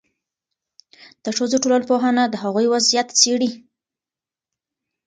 د ښځو ټولنپوهنه د هغوی وضعیت څېړي.